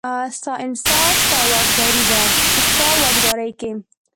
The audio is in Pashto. ستا انصاف، ستا واکدارۍ کې،